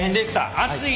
暑い！